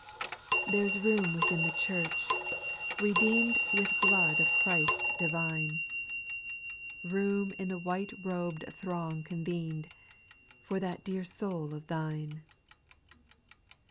8. There 's room within the Church, redeemed With blood of Christ divine ; Room in the white robed throng convened, For that dear soul of thine.